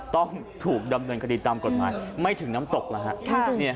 ต้องถูกดำเนินคดีตามกฎหมายไม่ถึงน้ำตกแล้วฮะ